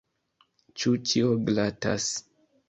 Ĉu ĉio glatas?